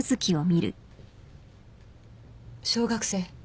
小学生？